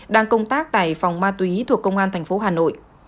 đang công tác tại phòng ma túy thuộc công an thành phố hà nội